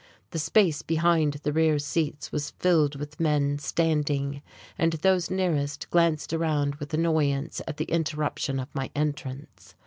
The space behind the rear seats was filled with men standing, and those nearest glanced around with annoyance at the interruption of my entrance.